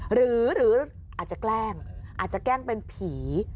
หรืออาจจะแกล้งอาจจะแกล้งเป็นผี